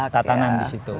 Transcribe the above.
tatanan di situ